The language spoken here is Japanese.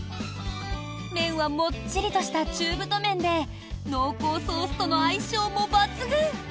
麺はもっちりとした中太麺で濃厚ソースとの相性も抜群。